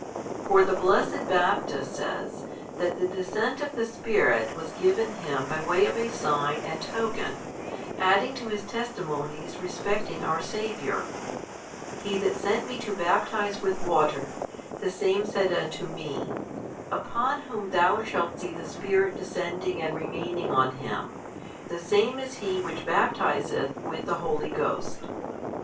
For the blessed Baptist says that the descent of the Spirit was given him by way of a sign and token, adding to his testimonies respecting our Saviour, He that sent me to baptize with water, the Same said unto me, Upon Whom thou shalt see the Spirit descending and remaining on Him, the Same is He Which baptizeth with the Holy Ghost.